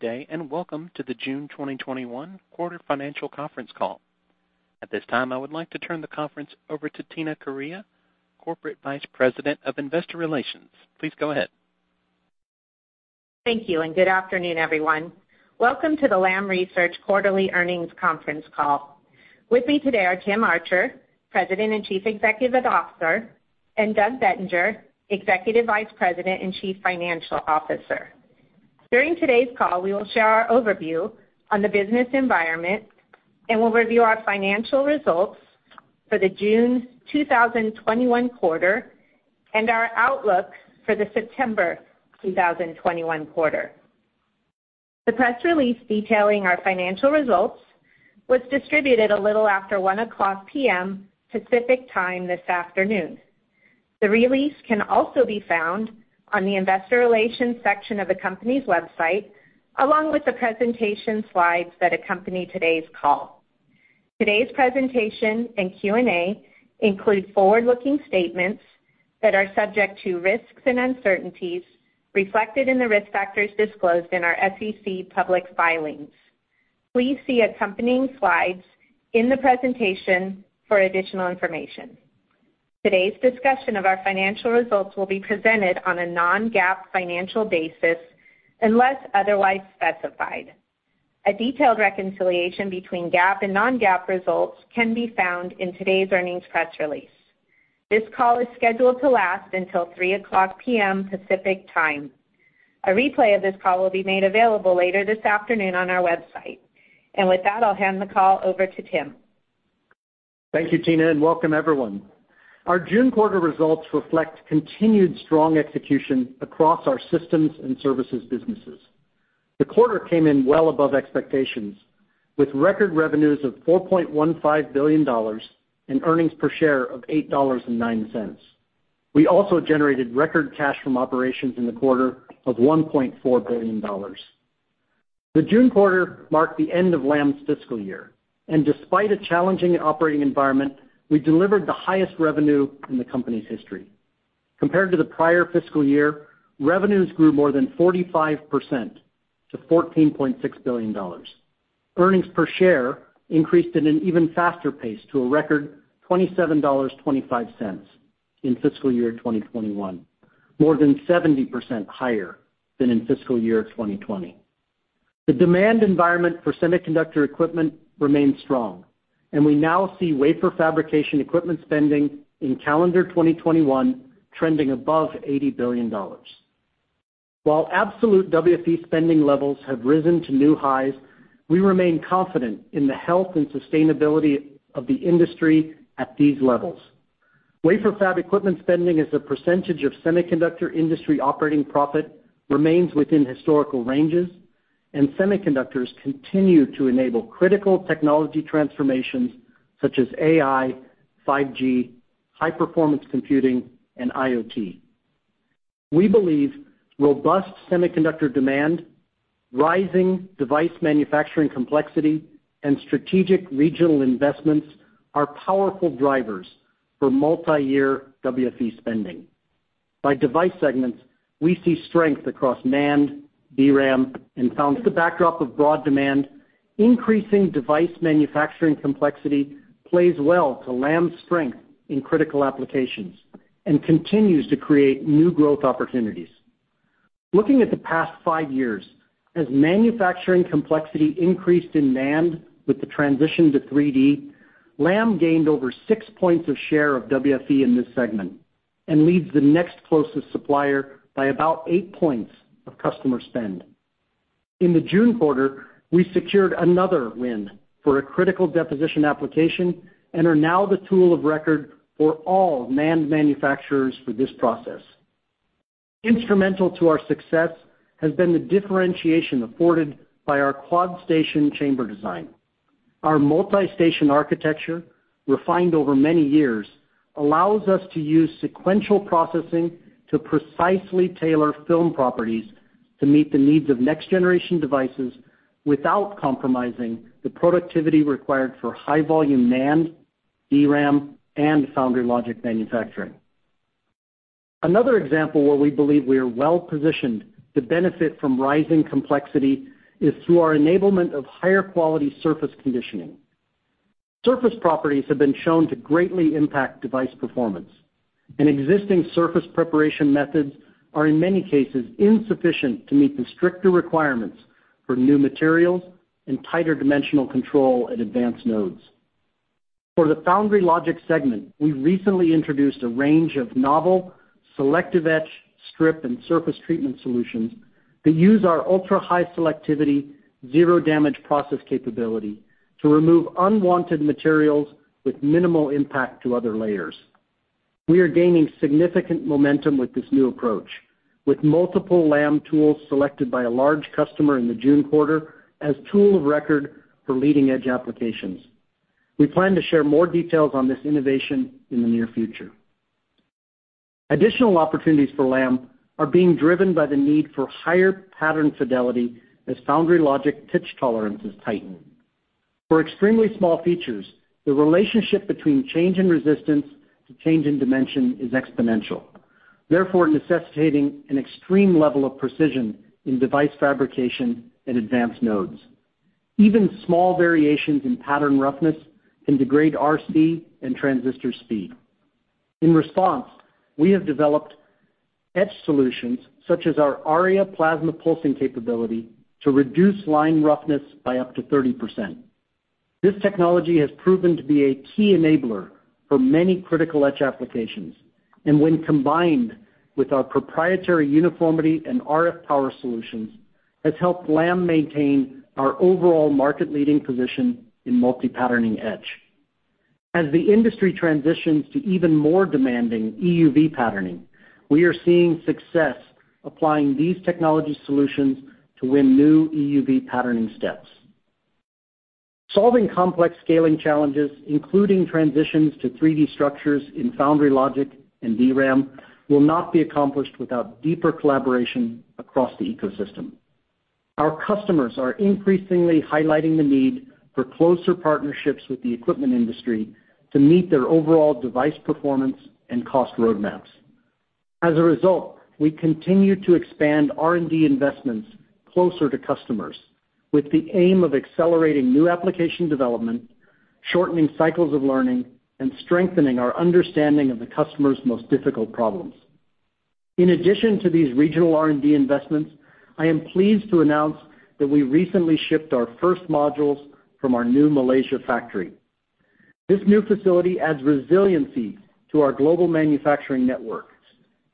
Today and welcome to the June 2021 Quarter Financial Conference Call. At this time, I would like to turn the conference over to Tina Correia, Corporate Vice President of Investor Relations. Please go ahead. Thank you and good afternoon, everyone. Welcome to the Lam Research Quarterly Earnings Conference Call. With me today are Tim Archer, President and Chief Executive Officer, and Doug Bettinger, Executive Vice President and Chief Financial Officer. During today's call, we will share our overview on the business environment, and we'll review our financial results for the June 2021 quarter and our outlook for the September 2021 quarter. The press release detailing our financial results was distributed a little after 1:00 P.M. Pacific Time this afternoon. The release can also be found on the investor relations section of the company's website, along with the presentation slides that accompany today's call. Today's presentation and Q&A include forward-looking statements that are subject to risks and uncertainties reflected in the risk factors disclosed in our SEC public filings. Please see accompanying slides in the presentation for additional information. Today's discussion of our financial results will be presented on a non-GAAP financial basis unless otherwise specified. A detailed reconciliation between GAAP and non-GAAP results can be found in today's earnings press release. This call is scheduled to last until 3:00 P.M. Pacific Time. A replay of this call will be made available later this afternoon on our website. And with that, I'll hand the call over to Tim. Thank you, Tina, and welcome everyone. Our June quarter results reflect continued strong execution across our systems and services businesses. The quarter came in well above expectations, with record revenues of $4.15 billion and earnings per share of $8.09. We also generated record cash from operations in the quarter of $1.4 billion. The June quarter marked the end of Lam's fiscal year, and despite a challenging operating environment, we delivered the highest revenue in the company's history. Compared to the prior fiscal year, revenues grew more than 45% to $14.6 billion. Earnings per share increased at an even faster pace to a record $27.25 in fiscal year 2021, more than 70% higher than in fiscal year 2020. The demand environment for semiconductor equipment remains strong, and we now see wafer fabrication equipment spending in calendar 2021 trending above $80 billion. While absolute WFE spending levels have risen to new highs, we remain confident in the health and sustainability of the industry at these levels. Wafer Fab Equipment spending as a percentage of semiconductor industry operating profit remains within historical ranges, and semiconductors continue to enable critical technology transformations such as AI, 5G, high-performance computing, and IoT. We believe robust semiconductor demand, rising device manufacturing complexity, and strategic regional investments are powerful drivers for multi-year WFE spending. By device segments, we see strength across NAND, DRAM. Against the backdrop of broad demand, increasing device manufacturing complexity plays well to Lam's strength in critical applications and continues to create new growth opportunities. Looking at the past five years, as manufacturing complexity increased in NAND with the transition to 3D, Lam gained over 6 points of share of WFE in this segment and leads the next closest supplier by about 8 points of customer spend. In the June quarter, we secured another win for a critical deposition application and are now the tool of record for all NAND manufacturers for this process. Instrumental to our success has been the differentiation afforded by our quad station chamber design. Our multi-station architecture, refined over many years, allows us to use sequential processing to precisely tailor film properties to meet the needs of next-generation devices without compromising the productivity required for high-volume NAND, DRAM, and foundry logic manufacturing. Another example where we believe we are well-positioned to benefit from rising complexity is through our enablement of higher-quality surface conditioning. Surface properties have been shown to greatly impact device performance, and existing surface preparation methods are, in many cases, insufficient to meet the stricter requirements for new materials and tighter dimensional control at advanced nodes. For the foundry logic segment, we recently introduced a range of novel selective etch, strip, and surface treatment solutions that use our ultra-high selectivity, zero damage process capability to remove unwanted materials with minimal impact to other layers. We are gaining significant momentum with this new approach, with multiple Lam tools selected by a large customer in the June quarter as tool of record for leading-edge applications. We plan to share more details on this innovation in the near future. Additional opportunities for Lam are being driven by the need for higher pattern fidelity as foundry logic pitch tolerances tighten. For extremely small features, the relationship between change in resistance to change in dimension is exponential, therefore necessitating an extreme level of precision in device fabrication and advanced nodes. Even small variations in pattern roughness can degrade RC and transistor speed. In response, we have developed etch solutions such as our ARIA plasma pulsing capability to reduce line roughness by up to 30%. This technology has proven to be a key enabler for many critical etch applications, and when combined with our proprietary uniformity and RF power solutions, has helped Lam maintain our overall market-leading position in multi-patterning etch. As the industry transitions to even more demanding EUV patterning, we are seeing success applying these technology solutions to win new EUV patterning steps. Solving complex scaling challenges, including transitions to 3D structures in foundry logic and DRAM, will not be accomplished without deeper collaboration across the ecosystem. Our customers are increasingly highlighting the need for closer partnerships with the equipment industry to meet their overall device performance and cost roadmaps. As a result, we continue to expand R&D investments closer to customers with the aim of accelerating new application development, shortening cycles of learning, and strengthening our understanding of the customers' most difficult problems. In addition to these regional R&D investments, I am pleased to announce that we recently shipped our first modules from our new Malaysia factory. This new facility adds resiliency to our global manufacturing networks,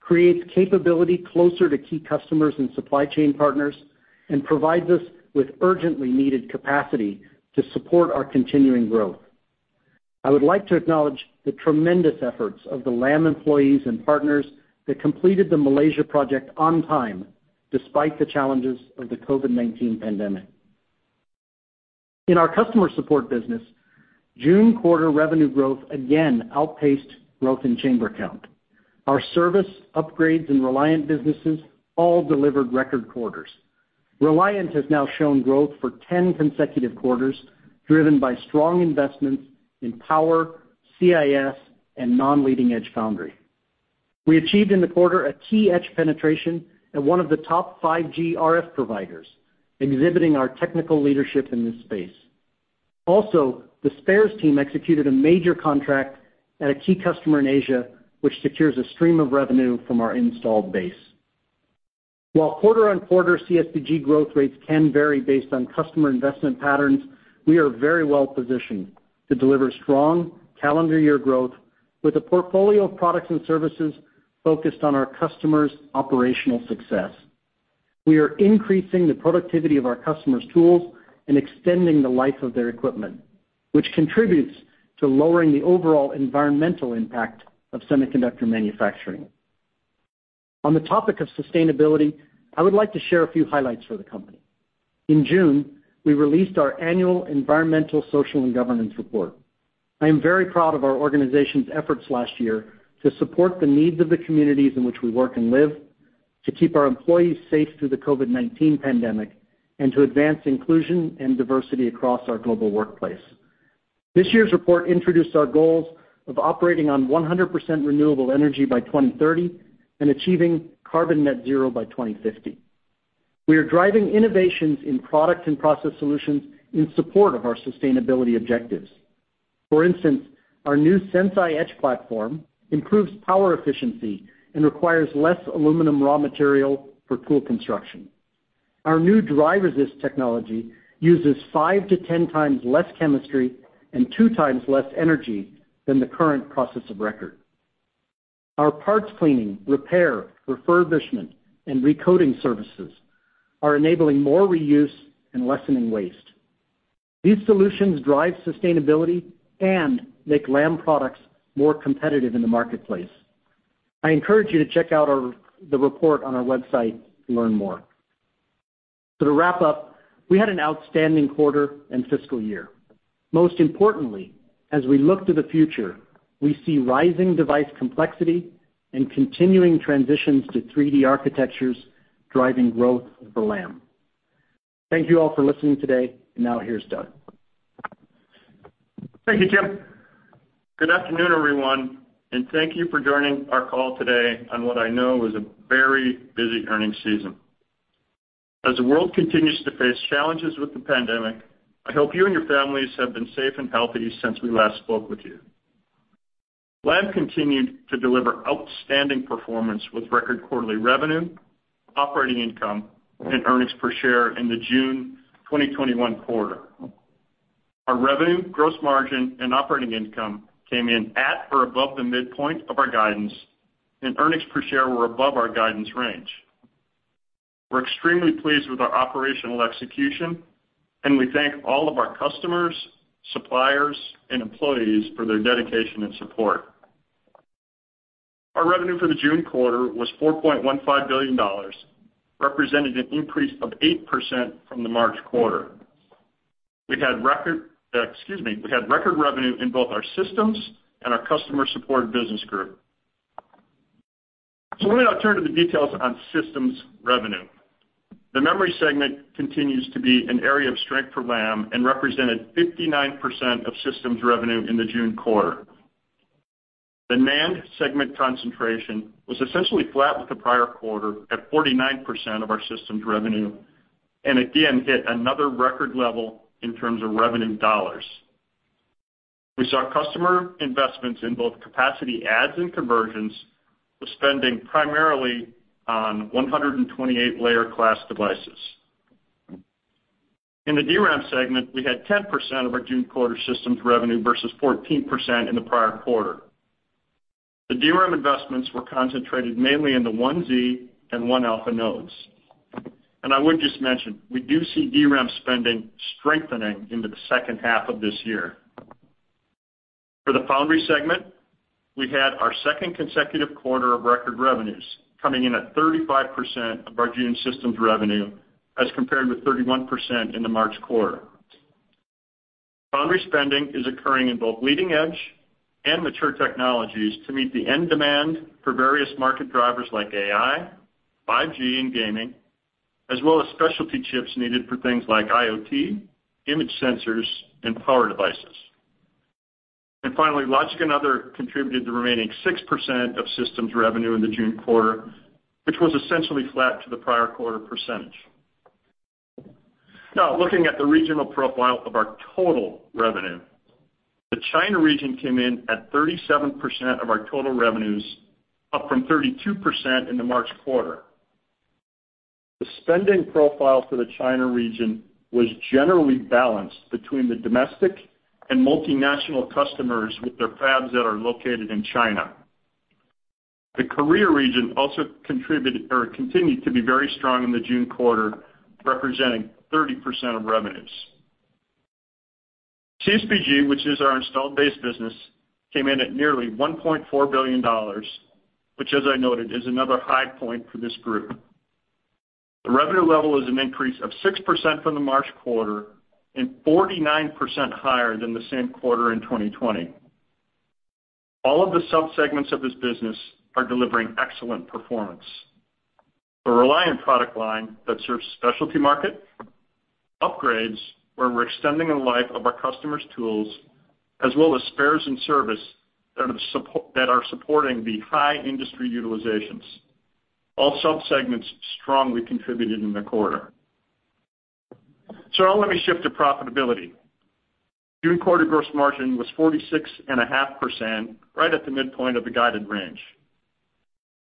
creates capability closer to key customers and supply chain partners, and provides us with urgently needed capacity to support our continuing growth. I would like to acknowledge the tremendous efforts of the Lam employees and partners that completed the Malaysia project on time despite the challenges of the COVID-19 pandemic. In our customer support business, June quarter revenue growth again outpaced growth in chamber count. Our service, upgrades, and Reliant businesses all delivered record quarters. Reliant has now shown growth for 10 consecutive quarters, driven by strong investments in power, CIS, and non-leading-edge foundry. We achieved in the quarter a key etch penetration at one of the top 5G RF providers, exhibiting our technical leadership in this space. Also, the spares team executed a major contract at a key customer in Asia, which secures a stream of revenue from our installed base. While quarter-on-quarter CSBG growth rates can vary based on customer investment patterns, we are very well positioned to deliver strong calendar year growth with a portfolio of products and services focused on our customers' operational success. We are increasing the productivity of our customers' tools and extending the life of their equipment, which contributes to lowering the overall environmental impact of semiconductor manufacturing. On the topic of sustainability, I would like to share a few highlights for the company. In June, we released our annual environmental, social, and governance report. I am very proud of our organization's efforts last year to support the needs of the communities in which we work and live, to keep our employees safe through the COVID-19 pandemic, and to advance inclusion and diversity across our global workplace. This year's report introduced our goals of operating on 100% renewable energy by 2030 and achieving carbon net zero by 2050. We are driving innovations in product and process solutions in support of our sustainability objectives. For instance, our new Sense.i etch platform improves power efficiency and requires less aluminum raw material for tool construction. Our new Dry Resist technology uses 5-10x less chemistry and 2x less energy than the current process of record. Our parts cleaning, repair, refurbishment, and recoating services are enabling more reuse and lessening waste. These solutions drive sustainability and make Lam products more competitive in the marketplace. I encourage you to check out the report on our website to learn more. To wrap up, we had an outstanding quarter and fiscal year. Most importantly, as we look to the future, we see rising device complexity and continuing transitions to 3D architectures driving growth for Lam. Thank you all for listening today. Now, here's Doug. Thank you, Tim. Good afternoon, everyone, and thank you for joining our call today on what I know is a very busy earnings season. As the world continues to face challenges with the pandemic, I hope you and your families have been safe and healthy since we last spoke with you. Lam continued to deliver outstanding performance with record quarterly revenue, operating income, and earnings per share in the June 2021 quarter. Our revenue, gross margin, and operating income came in at or above the midpoint of our guidance, and earnings per share were above our guidance range. We're extremely pleased with our operational execution, and we thank all of our customers, suppliers, and employees for their dedication and support. Our revenue for the June quarter was $4.15 billion, representing an increase of 8% from the March quarter. We had record- Excuse me. We had record revenue in both our systems and our Customer Support Business Group. Why don't I turn to the details on systems revenue. The memory segment continues to be an area of strength for Lam and represented 59% of systems revenue in the June quarter. The NAND segment concentration was essentially flat with the prior quarter at 49% of our systems revenue, and again, hit another record level in terms of revenue dollars. We saw customer investments in both capacity adds and conversions with spending primarily on 128-layer class devices. In the DRAM segment, we had 10% of our June quarter systems revenue versus 14% in the prior quarter. The DRAM investments were concentrated mainly in the 1Z and 1-alpha nodes. I would just mention, we do see DRAM spending strengthening into the second half of this year. For the foundry segment, we had our second consecutive quarter of record revenues coming in at 35% of our June systems revenue as compared with 31% in the March quarter. Foundry spending is occurring in both leading-edge and mature technologies to meet the end demand for various market drivers like AI, 5G and gaming, as well as specialty chips needed for things like IoT, image sensors and power devices. Finally, logic and other contributed the remaining 6% of systems revenue in the June quarter, which was essentially flat to the prior quarter percentage. Now, looking at the regional profile of our total revenue. The China region came in at 37% of our total revenues, up from 32% in the March quarter. The spending profile for the China region was generally balanced between the domestic and multinational customers with their fabs that are located in China. The Korea region also continued to be very strong in the June quarter, representing 30% of revenues. CSBG, which is our installed base business, came in at nearly $1.4 billion, which as I noted, is another high point for this group. The revenue level is an increase of 6% from the March quarter and 49% higher than the same quarter in 2020. All of the sub-segments of this business are delivering excellent performance. The Reliant product line that serves specialty market, upgrades, where we're extending the life of our customers' tools, as well as spares and service that are supporting the high industry utilizations. All sub-segments strongly contributed in the quarter. Now, let me shift to profitability. June quarter gross margin was 46.5%, right at the midpoint of the guided range.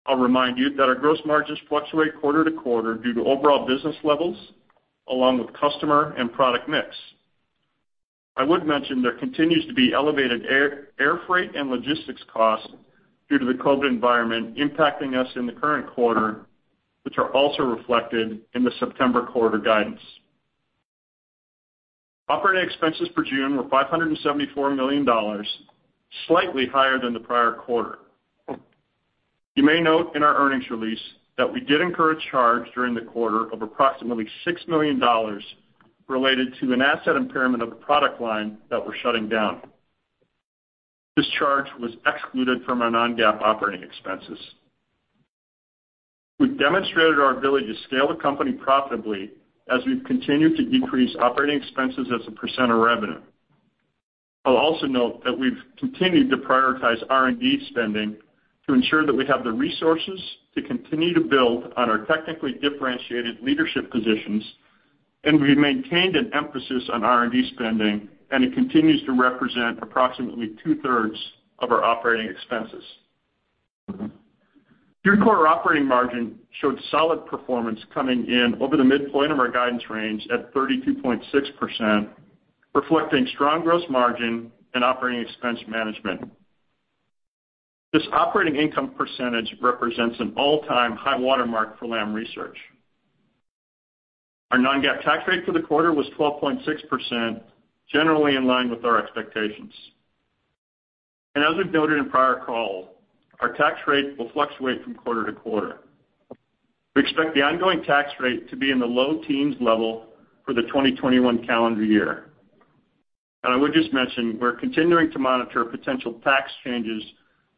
I'll remind you that our gross margins fluctuate quarter to quarter due to overall business levels, along with customer and product mix. I would mention there continues to be elevated air freight and logistics costs due to the COVID-19 environment impacting us in the current quarter, which are also reflected in the September quarter guidance. Operating expenses for June were $574 million, slightly higher than the prior quarter. You may note in our earnings release that we did incur a charge during the quarter of approximately $6 million related to an asset impairment of a product line that we're shutting down. This charge was excluded from our non-GAAP operating expenses. We've demonstrated our ability to scale the company profitably as we've continued to decrease operating expenses as a percent of revenue. I'll also note that we've continued to prioritize R&D spending to ensure that we have the resources to continue to build on our technically differentiated leadership positions, and we've maintained an emphasis on R&D spending, and it continues to represent approximately 2/3 of our operating expenses. June quarter operating margin showed solid performance coming in over the midpoint of our guidance range at 32.6%, reflecting strong gross margin and operating expense management. This operating income percentage represents an all-time high watermark for Lam Research. Our non-GAAP tax rate for the quarter was 12.6%, generally in line with our expectations. As we've noted in prior calls, our tax rate will fluctuate from quarter to quarter. We expect the ongoing tax rate to be in the low-teens level for the 2021 calendar year. I would just mention, we're continuing to monitor potential tax changes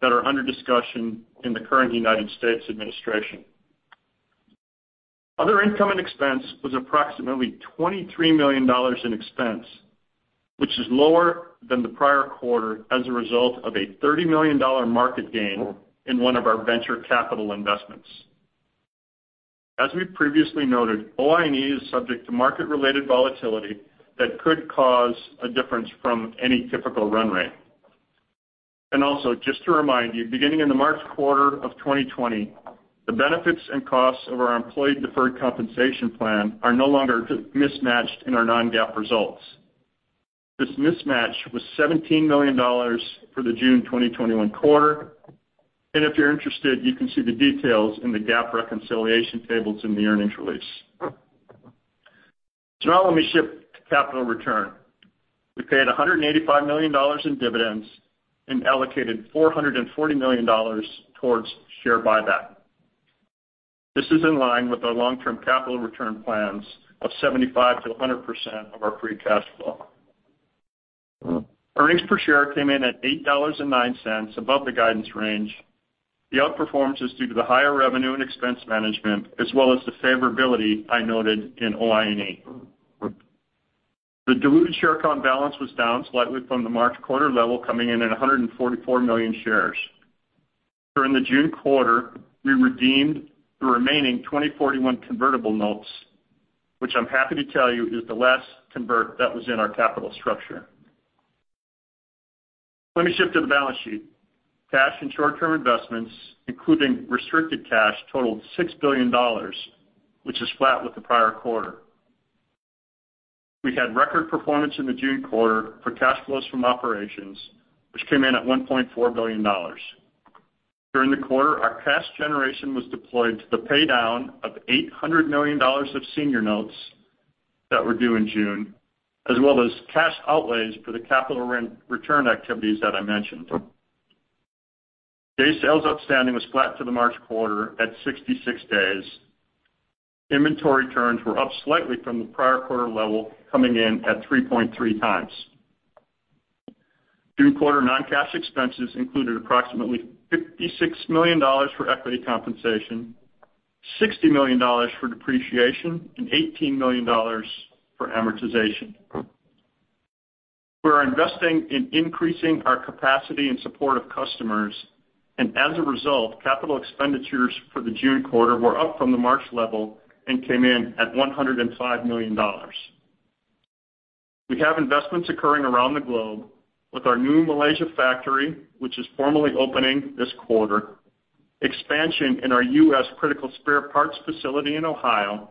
that are under discussion in the current United States administration. Other income and expense was approximately $23 million in expense, which is lower than the prior quarter as a result of a $30 million market gain in one of our venture capital investments. As we previously noted, OI&E is subject to market-related volatility that could cause a difference from any typical run rate. And also, just to remind you, beginning in the March quarter of 2020, the benefits and costs of our employee deferred compensation plan are no longer mismatched in our non-GAAP results. This mismatch was $17 million for the June 2021 quarter, and if you're interested, you can see the details in the GAAP reconciliation tables in the earnings release. Now, let me shift to capital return. We paid $185 million in dividends and allocated $440 million towards share buyback. This is in line with our long-term capital return plans of 75%-100% of our free cash flow. Earnings per share came in at $8.09, above the guidance range. The outperformance is due to the higher revenue and expense management, as well as the favorability I noted in OI&E. The diluted share count balance was down slightly from the March quarter level, coming in at 144 million shares. During the June quarter, we redeemed the remaining 2041 convertible notes, which I'm happy to tell you is the last convert that was in our capital structure. Let me shift to the balance sheet. Cash and short-term investments, including restricted cash, totaled $6 billion, which is flat with the prior quarter. We had record performance in the June quarter for cash flows from operations, which came in at $1.4 billion. During the quarter, our cash generation was deployed to the paydown of $800 million of senior notes that were due in June, as well as cash outlays for the capital return activities that I mentioned. Day sales outstanding was flat to the March quarter at 66 days. Inventory turns were up slightly from the prior quarter level, coming in at 3.3 times. June quarter non-cash expenses included approximately $56 million for equity compensation, $60 million for depreciation, and $18 million for amortization. We're investing in increasing our capacity in support of customers, and as a result, capital expenditures for the June quarter were up from the March level and came in at $105 million. We have investments occurring around the globe with our new Malaysia factory, which is formally opening this quarter, expansion in our U.S. critical spare parts facility in Ohio,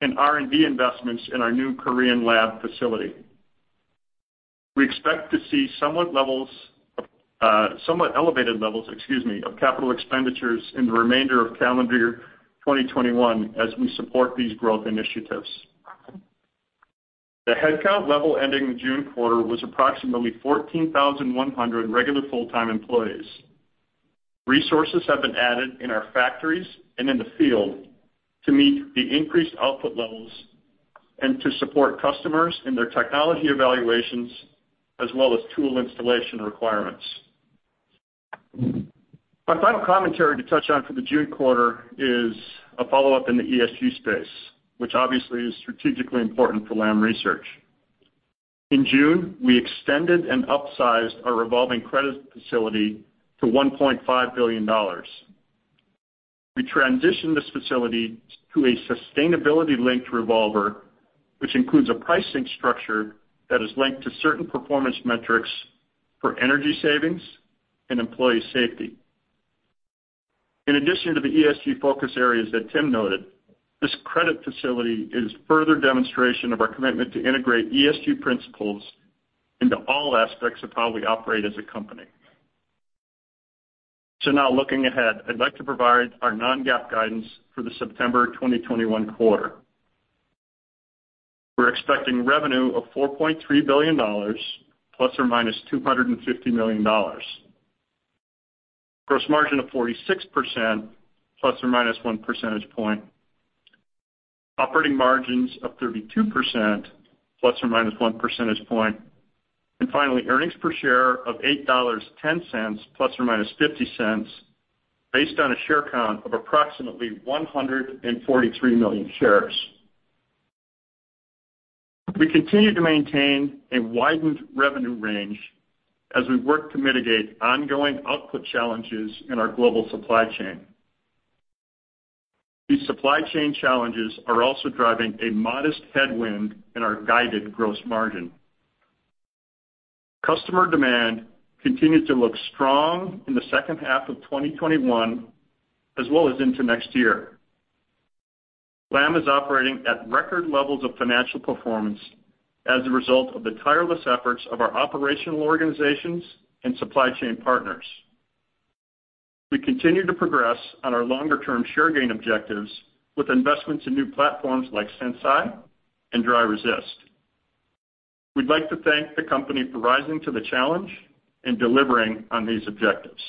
and R&D investments in our new Korean lab facility. We expect to see somewhat levels, elevated levels, excuse me, of capital expenditures in the remainder of calendar year 2021 as we support these growth initiatives. The headcount level ending June quarter was approximately 14,100 regular full-time employees. Resources have been added in our factories and in the field to meet the increased output levels and to support customers in their technology evaluations, as well as tool installation requirements. My final commentary to touch on for the June quarter is a follow-up in the ESG space, which obviously is strategically important for Lam Research. In June, we extended and upsized our revolving credit facility to $1.5 billion. We transitioned this facility to a sustainability-linked revolver, which includes a pricing structure that is linked to certain performance metrics for energy savings and employee safety. In addition to the ESG focus areas that Tim noted, this credit facility is a further demonstration of our commitment to integrate ESG principles into all aspects of how we operate as a company. So now looking ahead, I'd like to provide our non-GAAP guidance for the September 2021 quarter. We're expecting revenue of $4.3 billion ±$250 million. Gross margin of 46% ±1 percentage point. Operating margins of 32% ±1 percentage point. Finally, earnings per share of $8.10 ±$0.50, based on a share count of approximately 143 million shares. We continue to maintain a widened revenue range as we work to mitigate ongoing output challenges in our global supply chain. These supply chain challenges are also driving a modest headwind in our guided gross margin. Customer demand continues to look strong in the second half of 2021, as well as into next year. Lam is operating at record levels of financial performance as a result of the tireless efforts of our operational organizations and supply chain partners. We continue to progress on our longer-term share gain objectives with investments in new platforms like Sense.i and Dry Resist. We'd like to thank the company for rising to the challenge and delivering on these objectives.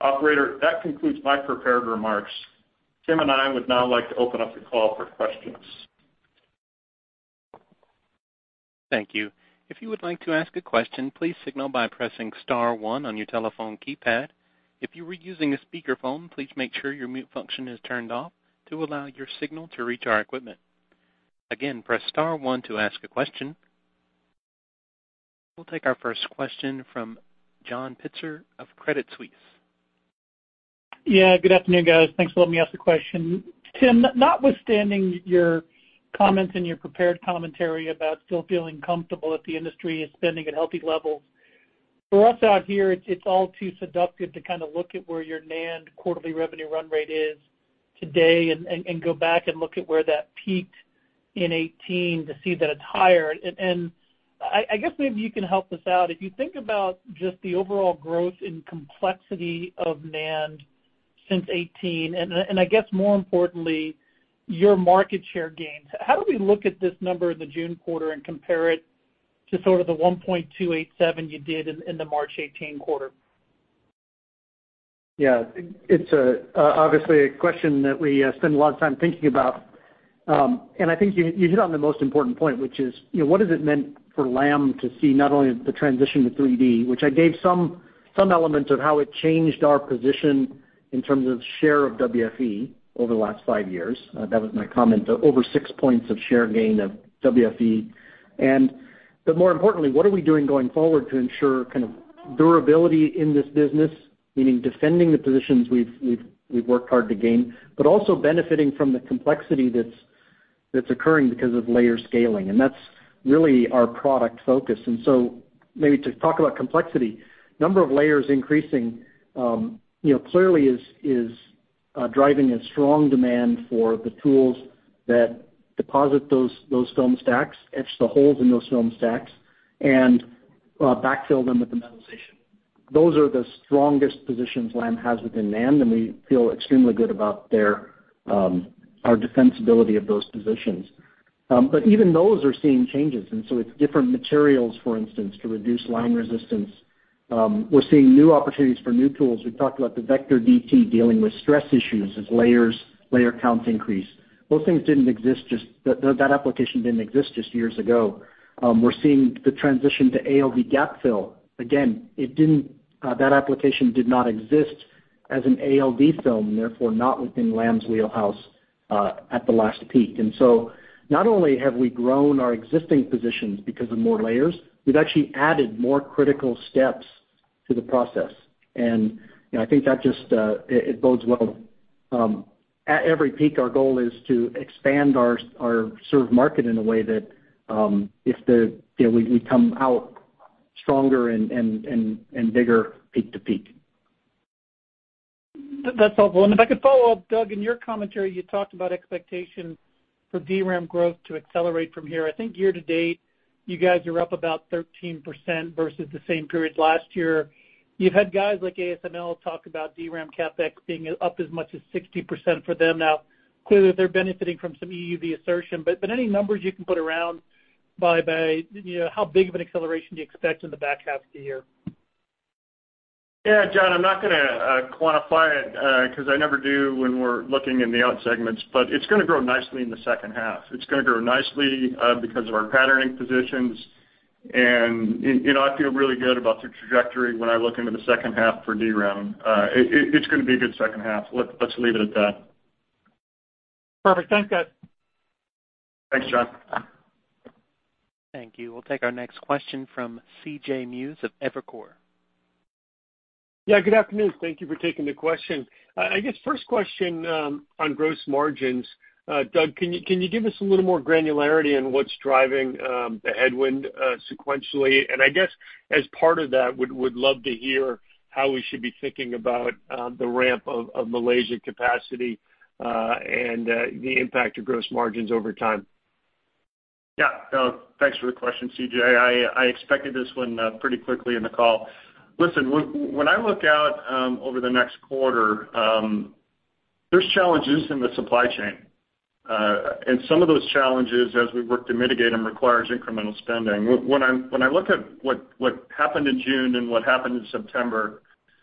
Operator, that concludes my prepared remarks. Tim and I would now like to open up the call for questions. Thank you. If you would like to ask a question, please signal by pressing star, one on your telephone keypad. If you are using a speakerphone, please make sure your mute function is turned off to allow your signal to reach our equipment. Again, press star, one to ask a question. We'll take our first question from John Pitzer of Credit Suisse. Yeah. Good afternoon, guys. Thanks for letting me ask the question. Tim, notwithstanding your comments and your prepared commentary about still feeling comfortable that the industry is spending at healthy levels, for us out here, it's all too seductive to look at where your NAND quarterly revenue run rate is today and go back and look at where that peaked in 2018 to see that it's higher. I guess maybe you can help us out. If you think about just the overall growth in complexity of NAND since 2018, and I guess more importantly, your market share gains, how do we look at this number in the June quarter and compare it to sort of the $1.287 you did in the March 2018 quarter? Yeah. It's obviously a question that we spend a lot of time thinking about. I think you hit on the most important point, which is, what has it meant for Lam to see not only the transition to 3D, which I gave some elements of how it changed our position in terms of share of WFE over the last five years. That was my comment, over 6 points of share gain of WFE. More importantly, what are we doing going forward to ensure kind of durability in this business? Meaning defending the positions we've worked hard to gain, but also benefiting from the complexity that's occurring because of layer scaling. That's really our product focus. And so, maybe to talk about complexity, number of layers increasing clearly is driving a strong demand for the tools that deposit those film stacks, etch the holes in those film stacks, and backfill them with the metallization. Those are the strongest positions Lam has within NAND, and we feel extremely good about our defensibility of those positions. But even those are seeing changes, and so it's different materials, for instance, to reduce line resistance. We're seeing new opportunities for new tools. We've talked about the VECTOR DT dealing with stress issues as layer counts increase. Both things didn't exist just, that application didn't exist just years ago. We're seeing the transition to ALD gap fill. Again, that application did not exist as an ALD film, and therefore not within Lam's wheelhouse, at the last peak. And so, not only have we grown our existing positions because of more layers, we've actually added more critical steps to the process. And I think that just bodes well. At every peak, our goal is to expand our served market in a way that we come out stronger and bigger peak to peak. That's helpful. And if I could follow up, Doug, in your commentary, you talked about expectation for DRAM growth to accelerate from here. I think year to date, you guys are up about 13% versus the same period last year. You've had guys like ASML talk about DRAM CapEx being up as much as 60% for them. Clearly they're benefiting from some EUV insertion, but any numbers you can put around by how big of an acceleration do you expect in the back half of the year? Yeah, John, I'm not going to quantify it, because I never do when we're looking in the out segments, but it's going to grow nicely in the second half. It's going to grow nicely because of our patterning positions, and I feel really good about the trajectory when I look into the second half for DRAM. It's going to be a good second half. Let's leave it at that. Perfect. Thanks, Doug. Thanks, John. Thank you. We'll take our next question from CJ Muse of Evercore. Yeah, good afternoon. Thank you for taking the question. I guess first question on gross margins. Doug, can you give us a little more granularity on what's driving the headwind sequentially? And I guess as part of that, would love to hear how we should be thinking about the ramp of Malaysia capacity, and the impact to gross margins over time. Yeah. Thanks for the question, CJ. I expected this one pretty quickly in the call. Listen, when I look out over the next quarter, there's challenges in the supply chain. And some of those challenges, as we work to mitigate them, requires incremental spending. When I look at what happened in June and what happened in September,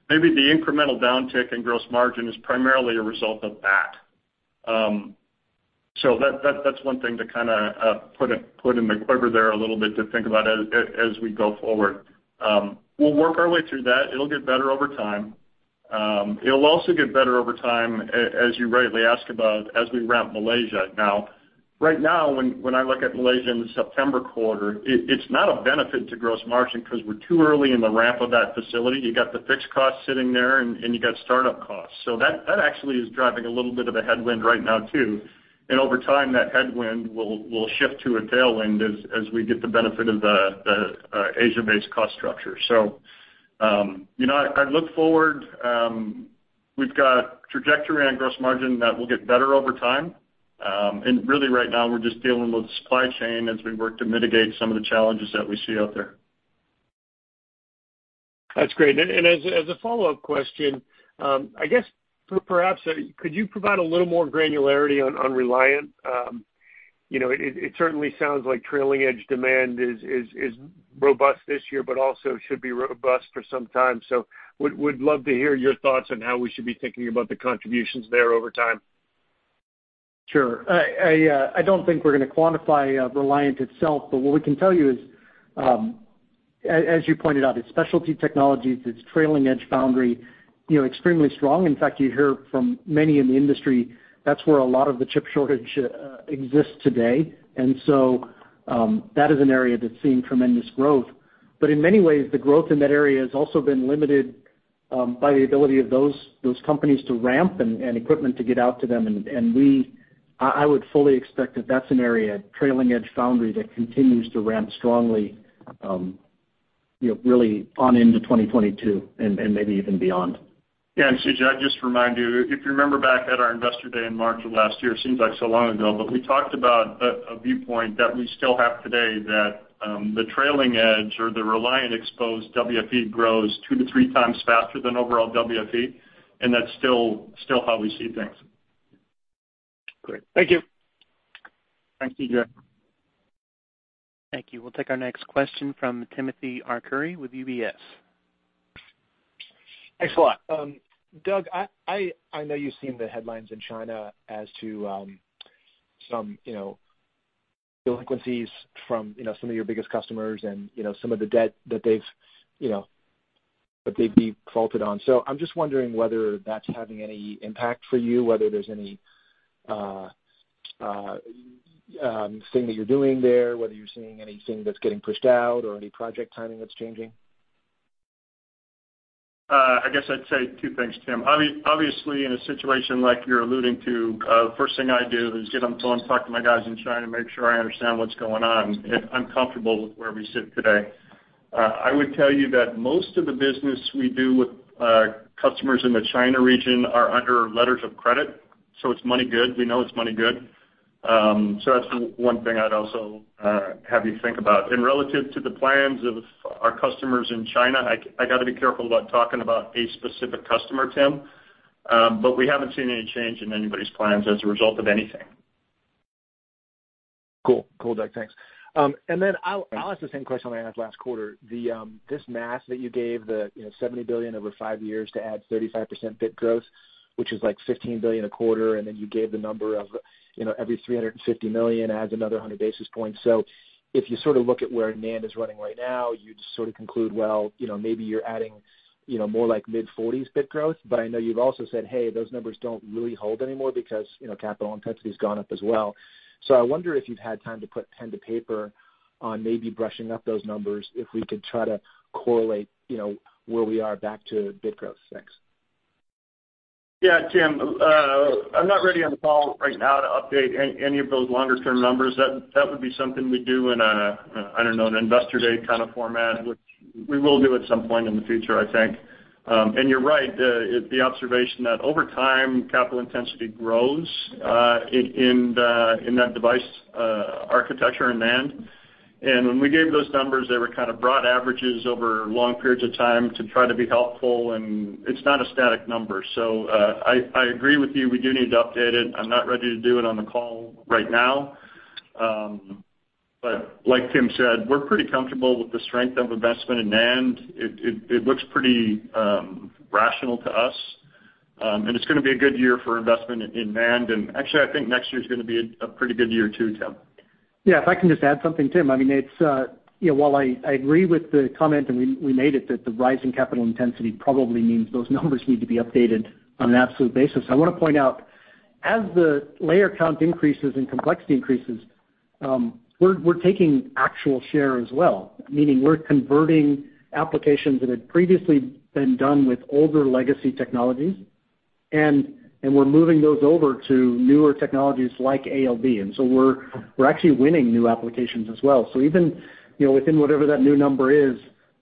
maybe the incremental downtick in gross margin is primarily a result of that. That's one thing to kind of put in the quiver there a little bit to think about as we go forward. We'll work our way through that. It'll get better over time. It'll also get better over time, as you rightly ask about, as we ramp Malaysia. Now, right now, when I look at Malaysia in the September quarter, it's not a benefit to gross margin because we're too early in the ramp of that facility. You got the fixed cost sitting there, and you got startup costs. That actually is driving a little bit of a headwind right now, too. And over time, that headwind will shift to a tailwind as we get the benefit of the Asia-based cost structure. You know, I look forward. We've got trajectory on gross margin that will get better over time and really right now we're just dealing with supply chain as we work to mitigate some of the challenges that we see out there. That's great. And as a follow-up question, I guess perhaps could you provide a little more granularity on Reliant? It certainly sounds like trailing edge demand is robust this year, but also should be robust for some time. Would love to hear your thoughts on how we should be thinking about the contributions there over time. Sure. I don't think we're going to quantify Reliant itself, but what we can tell you is, as you pointed out, it's specialty technologies, it's trailing edge foundry, extremely strong. In fact, you hear from many in the industry, that's where a lot of the chip shortage exists today. And so, that is an area that's seeing tremendous growth. In many ways, the growth in that area has also been limited by the ability of those companies to ramp and equipment to get out to them. And we, I would fully expect that that's an area, trailing edge foundry, that continues to ramp strongly really on into 2022 and maybe even beyond. Yeah. CJ, I'd just remind you, if you remember back at our investor day in March of last year, seems like so long ago, but we talked about a viewpoint that we still have today that the trailing edge or the Reliant-exposed WFE grows 2-3x faster than overall WFE, and that's still how we see things. Great. Thank you. Thanks, CJ. Thank you. We'll take our next question from Timothy Arcuri with UBS. Thanks a lot. Doug, I know you've seen the headlines in China as to some delinquencies from some of your biggest customers and some of the debt that they'd be faulted on. I'm just wondering whether that's having any impact for you, whether there's anything that you're doing there, whether you're seeing anything that's getting pushed out or any project timing that's changing. I guess I'd say two things, Tim. Obviously, in a situation like you're alluding to, first thing I do is get on the phone, talk to my guys in China, make sure I understand what's going on, and I'm comfortable with where we sit today. I would tell you that most of the business we do with customers in the China region are under letters of credit, so it's money good. We know it's money good. That's one thing I'd also have you think about. Relative to the plans of our customers in China, I got to be careful about talking about a specific customer, Tim, but we haven't seen any change in anybody's plans as a result of anything. Cool. Cool, Doug. Thanks. I'll ask the same question I asked last quarter. This math that you gave, the $70 billion over five years to add 35% bit growth, which is like $15 billion a quarter, and then you gave the number of every $350 million adds another 100 basis points. So, if you sort of look at where NAND is running right now, you'd conclude, well, maybe you're adding more like mid-40s bit growth. I know you've also said, "Hey, those numbers don't really hold anymore," because capital intensity has gone up as well. I wonder if you've had time to put pen to paper on maybe brushing up those numbers, if we could try to correlate where we are back to bit growth. Thanks. Yeah, Tim. I'm not ready on the call right now to update any of those longer-term numbers. That would be something we do in a, I don't know, an investor day kind of format, which we will do at some point in the future, I think. And you're right, the observation that over time, capital intensity grows in that device architecture in NAND. And when we gave those numbers, they were kind of broad averages over long periods of time to try to be helpful, and it's not a static number. I agree with you. We do need to update it. I'm not ready to do it on the call right now. Like Tim said, we're pretty comfortable with the strength of investment in NAND. It looks pretty rational to us. It's going to be a good year for investment in NAND. Actually, I think next year's going to be a pretty good year, too, Tim. Yeah, if I can just add something, Tim. While I agree with the comment, and we made it, that the rise in capital intensity probably means those numbers need to be updated on an absolute basis. I want to point out, as the layer count increases and complexity increases, we're taking actual share as well, meaning we're converting applications that had previously been done with older legacy technologies, and we're moving those over to newer technologies like ALD. We're actually winning new applications as well. Even within whatever that new number is,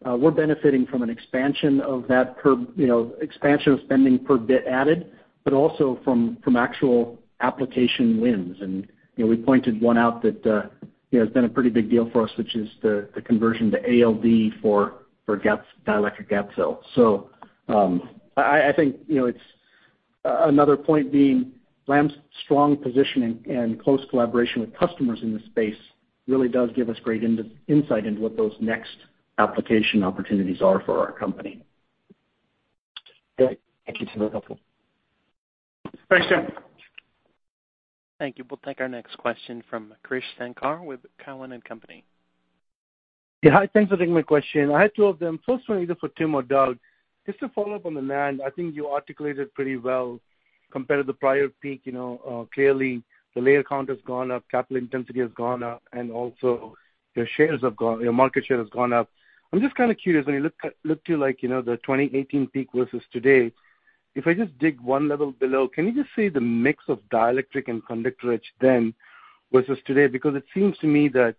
we're benefiting from an expansion of spending per bit added, but also from actual application wins. We pointed one out that has been a pretty big deal for us, which is the conversion to ALD for dielectric gap fill. I think it's another point being Lam's strong positioning and close collaboration with customers in this space really does give us great insight into what those next application opportunities are for our company. Great. Thank you. It's been helpful. Thanks, Tim. Thank you. We'll take our next question from Krish Sankar with Cowen and Company. Hi. Thanks for taking my question. I have two of them. First one either for Tim or Doug. Just to follow up on the NAND, I think you articulated pretty well compared to the prior peak. Clearly, the layer count has gone up, capital intensity has gone up, and also your market share has gone up. I'm just kind of curious, when you look to the 2018 peak versus today, if I just dig one level below, can you just say the mix of dielectric and conductor etch then versus today? It seems to me that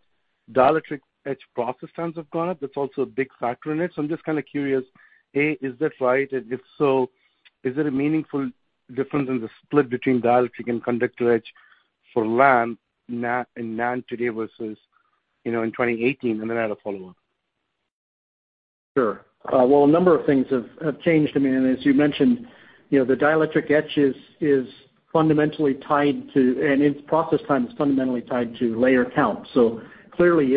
dielectric etch process times have gone up. That's also a big factor in it. I'm just kind of curious, A, is that right? If so, is it a meaningful difference in the split between dielectric and conductor etch for Lam in NAND today versus in 2018? And then I have a follow-up. Sure. Well, a number of things have changed. As you mentioned, the dielectric etch is fundamentally tied to, and its process time is fundamentally tied to layer count. Clearly,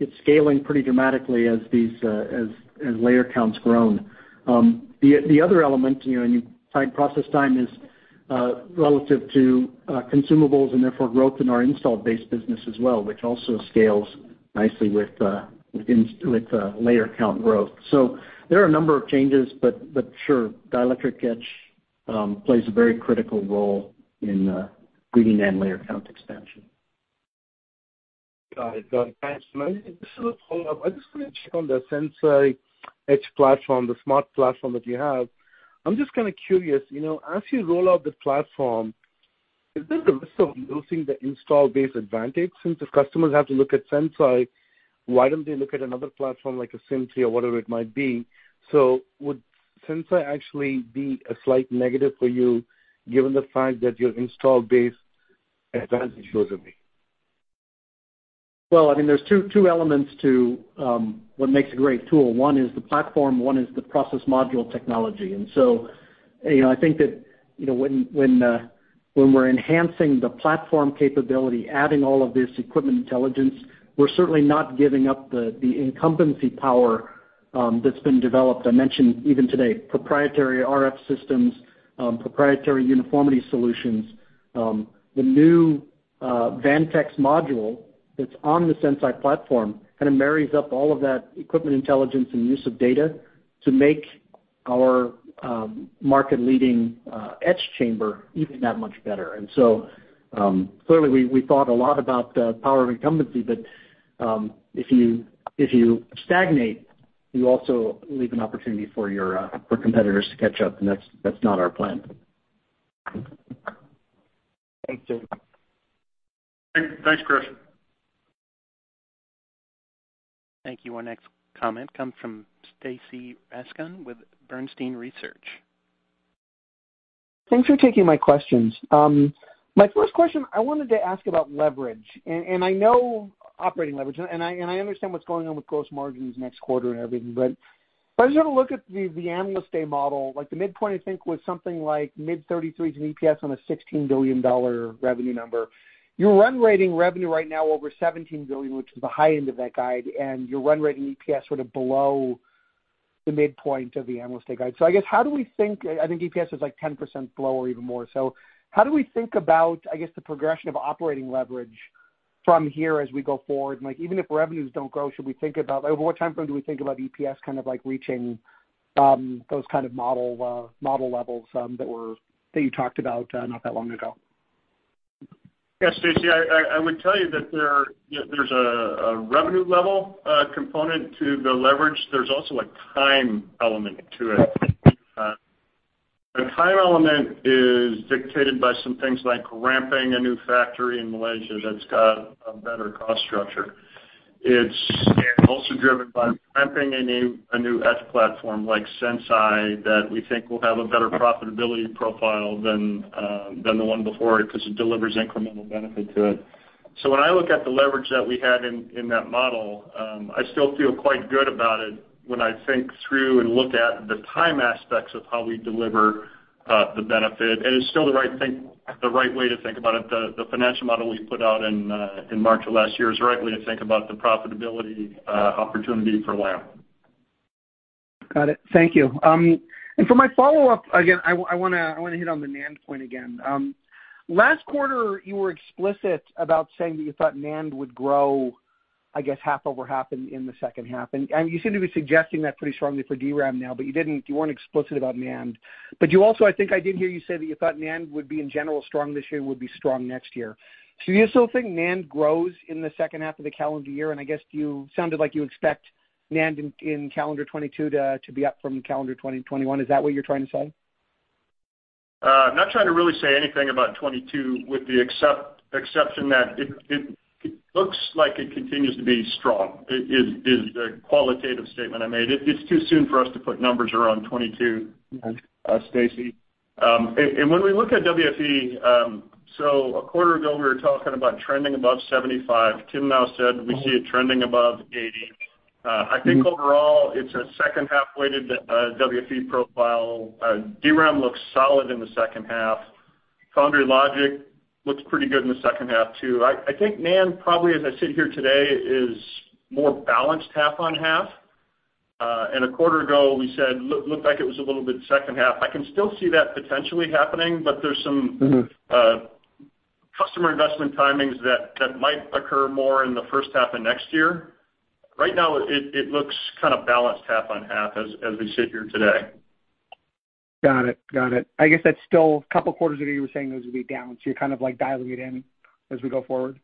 it's scaling pretty dramatically as layer count's grown. The other element, and you tied process time is relative to consumables and therefore growth in our install base business as well, which also scales nicely with layer count growth. There are a number of changes, but sure, dielectric etch plays a very critical role in reading NAND layer count expansion. Got it. Got it. Thanks. Just a follow-up. I just want to check on the Sense.i etch platform, the smart platform that you have. I'm just kind of curious, as you roll out the platform, is there the risk of losing the install base advantage? Since the customers have to look at Sense.i, why don't they look at another platform like a Sym3 or whatever it might be? Would Sense.i actually be a slight negative for you, given the fact that your install base advantage goes away? Well, there's two elements to what makes a great tool. One is the platform, one is the process module technology. And so, I think that when we're enhancing the platform capability, adding all of this equipment intelligence, we're certainly not giving up the incumbency power that's been developed. I mentioned even today, proprietary RF systems, proprietary uniformity solutions. The new Vantex module that's on the Sense.i platform kind of marries up all of that equipment intelligence and use of data to make our market-leading etch chamber even that much better. And so, clearly, we thought a lot about the power of incumbency, but if you stagnate, you also leave an opportunity for competitors to catch up, and that's not our plan. Thanks, Tim. Thanks, Krish. Thank you. Our next comment comes from Stacy Rasgon with Bernstein Research. Thanks for taking my questions. My first question, I wanted to ask about leverage. I know operating leverage, and I understand what's going on with gross margins next quarter and everything. As you look at the Analyst Day model, the midpoint, I think, was something like mid-$33 as an EPS on a $16 billion revenue number. You're run-rating revenue right now over $17 billion, which is the high end of that guide, and you're run-rating EPS below the midpoint of the Analyst Day guide. I guess, I think EPS is 10% below or even more. How do we think about, I guess, the progression of operating leverage from here as we go forward? Even if revenues don't grow, over what time frame do we think about EPS reaching those kind of model levels that you talked about not that long ago? Yeah, Stacy, I would tell you that there's a revenue level component to the leverage. There's also a time element to it. The time element is dictated by some things like ramping a new factory in Malaysia that's got a better cost structure. It's also driven by ramping a new etch platform like Sense.i that we think will have a better profitability profile than the one before it because it delivers incremental benefit to it. When I look at the leverage that we had in that model, I still feel quite good about it when I think through and look at the time aspects of how we deliver the benefit, and it's still the right way to think about it. The financial model we put out in March of last year is the right way to think about the profitability opportunity for Lam. Got it. Thank you. And for my follow-up, again, I want to hit on the NAND point again. Last quarter, you were explicit about saying that you thought NAND would grow, I guess, half over half in the second half. You seem to be suggesting that pretty strongly for DRAM now, but you weren't explicit about NAND. You also, I think I did hear you say that you thought NAND would be, in general, strong this year, would be strong next year. Do you still think NAND grows in the second half of the calendar year? I guess you sounded like you expect NAND in calendar 2022 to be up from calendar 2021. Is that what you're trying to say? I'm not trying to really say anything about 2022 with the exception that it looks like it continues to be strong, is the qualitative statement I made. It's too soon for us to put numbers around 2022. Okay. Stacy. When we look at WFE, so a quarter ago we were talking about trending above 75. Tim now said we see it trending above 80. I think overall it's a second half-weighted WFE profile. DRAM looks solid in the second half. Foundry logic looks pretty good in the second half, too. I think NAND probably, as I sit here today, is more balanced half on half. A quarter ago, we said it looked like it was a little bit second half. I can still see that potentially happening but there's some- Mm-hmm. customer investment timings that might occur more in the first half of next year. Right now, it looks kind of balanced half on half as we sit here today. Got it. Got it. I guess that's still a couple of quarters ago you were saying those would be down. You're kind of dialing it in as we go forward.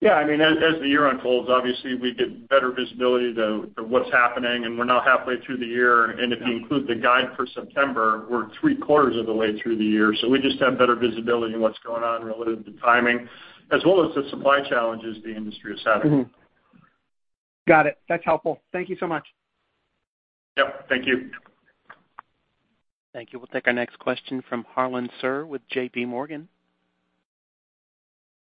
Yeah, I mean, as the year unfolds, obviously we get better visibility to what's happening, and we're now halfway through the year. If you include the guide for September, we're three quarters of the way through the year. We just have better visibility in what's going on relative to timing, as well as the supply challenges the industry is having. Got it. That's helpful. Thank you so much. Yep. Thank you. Thank you. We'll take our next question from Harlan Sur with J.P. Morgan.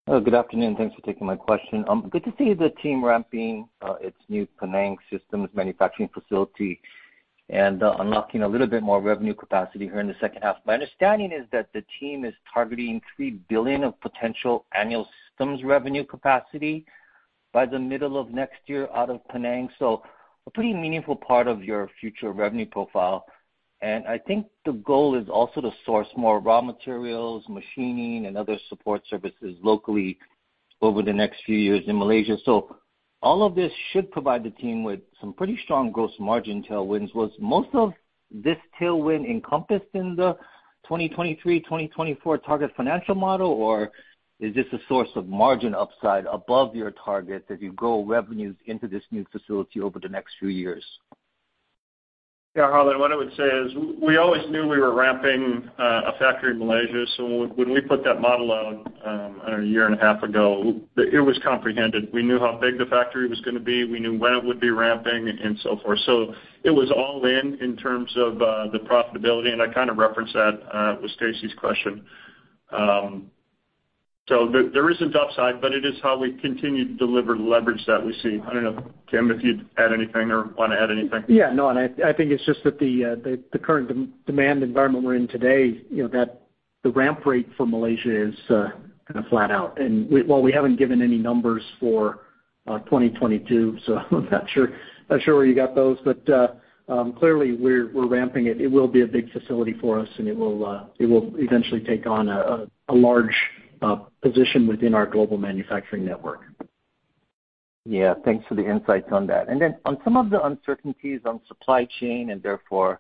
Hello, good afternoon. Thanks for taking my question. Good to see the team ramping its new Penang systems manufacturing facility and unlocking a little bit more revenue capacity here in the second half. My understanding is that the team is targeting $3 billion of potential annual systems revenue capacity by the middle of next year out of Penang. A pretty meaningful part of your future revenue profile. And I think the goal is also to source more raw materials, machining, and other support services locally over the next few years in Malaysia. All of this should provide the team with some pretty strong gross margin tailwinds. Was most of this tailwind encompassed in the 2023, 2024 target financial model, or is this a source of margin upside above your target as you grow revenues into this new facility over the next few years? Yeah, Harlan, what I would say is we always knew we were ramping a factory in Malaysia, so when we put that model out a year and a half ago, it was comprehended. We knew how big the factory was going to be, we knew when it would be ramping, and so forth. It was all in in terms of the profitability, and I kind of referenced that with Stacy's question. There is a downside, but it is how we continue to deliver the leverage that we see. I don't know, Tim, if you'd add anything or want to add anything. Yeah, no, I think it's just that the current demand environment we're in today, that the ramp rate for Malaysia is kind of flat out. While we haven't given any numbers for 2022, so I'm not sure where you got those, but clearly we're ramping it. It will be a big facility for us, and it will eventually take on a large position within our global manufacturing network. Yeah. Thanks for the insights on that. And then on some of the uncertainties on supply chain and therefore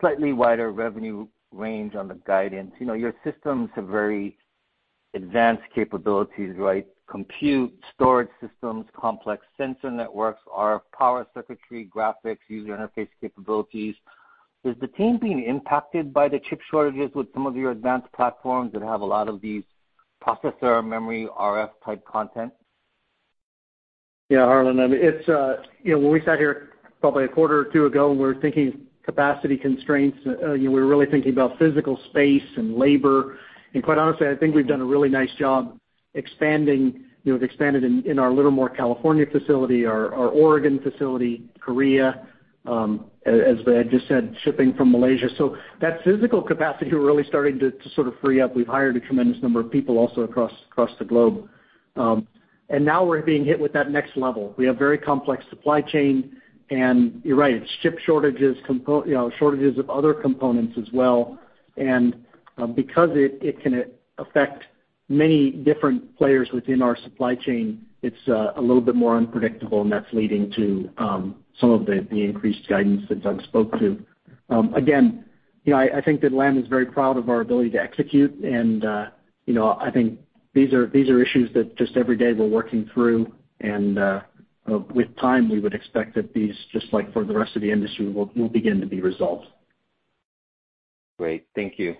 slightly wider revenue range on the guidance, your systems have very advanced capabilities, right? Compute, storage systems, complex sensor networks, RF power circuitry, graphics, user interface capabilities. Is the team being impacted by the chip shortages with some of your advanced platforms that have a lot of these processor, memory, RF-type content? Yeah, Harlan, and it's a, you know, when we sat here probably a quarter or two ago, and we were thinking capacity constraints, we were really thinking about physical space and labor. Quite honestly, I think we've done a really nice job expanding. We've expanded in our Livermore, California facility, our Oregon facility, Korea, as I just said, shipping from Malaysia. That physical capacity, we're really starting to sort of free up. We've hired a tremendous number of people also across the globe. And now we're being hit with that next level. We have very complex supply chain, and you're right, it's chip shortages of other components as well, and because it can affect many different players within our supply chain, it's a little bit more unpredictable, and that's leading to some of the increased guidance that Doug spoke to. Again, I think that Lam is very proud of our ability to execute, and I think these are issues that just every day we're working through, and with time, we would expect that these, just like for the rest of the industry, will begin to be resolved. Great. Thank you.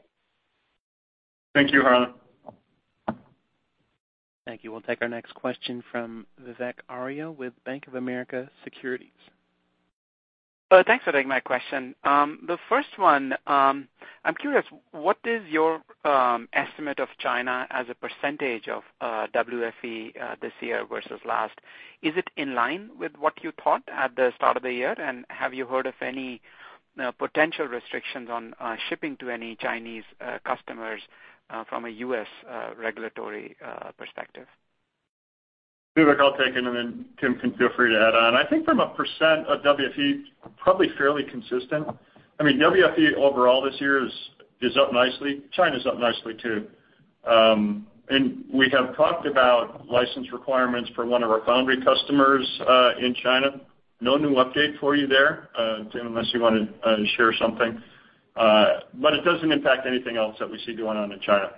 Thank you, Harlan. Thank you. We'll take our next question from Vivek Arya with Bank of America Securities. Thanks for taking my question. The first one, I'm curious, what is your estimate of China as a percentage of WFE this year versus last? Is it in line with what you thought at the start of the year? And have you heard of any potential restrictions on shipping to any Chinese customers from a U.S. regulatory perspective? Vivek, I'll take it, and then Tim can feel free to add on. I think from a percent of WFE, probably fairly consistent. WFE overall this year is up nicely. China's up nicely, too. And we have talked about license requirements for one of our foundry customers in China. No new update for you there, Tim, unless you want to share something. It doesn't impact anything else that we see going on in China.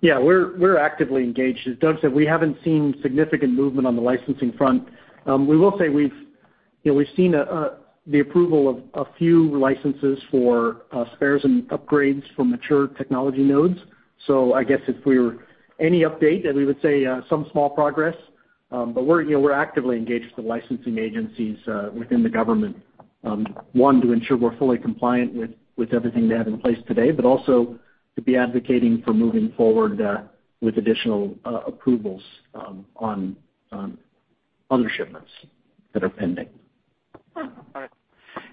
Yeah. We're actively engaged. As Doug said, we haven't seen significant movement on the licensing front. We will say we've seen the approval of a few licenses for spares and upgrades for mature technology nodes. I guess if we were any update, then we would say some small progress. We're actively engaged with the licensing agencies within the government, one, to ensure we're fully compliant with everything they have in place today, but also to be advocating for moving forward with additional approvals on other shipments that are pending. All right.